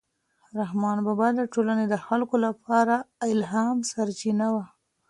رحمان بابا د ټولنې د خلکو لپاره د الهام سرچینه و.